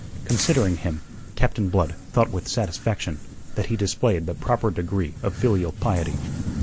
Considering him, Captain Blood thought with satisfaction that he displayed the proper degree of filial piety.